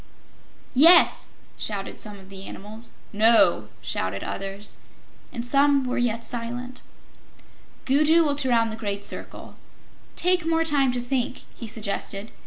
"Yes!" shouted some of the animals. "No!" shouted others. And some were yet silent. Gugu looked around the great circle. "Take more time to think," he suggested.